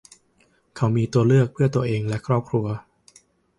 เขาก็มีเลือกเพื่อตัวเองและครอบครัว